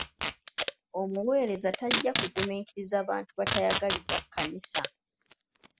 Omuwereza tajja kugumiikiriza bantu batayagaliza kkanisa.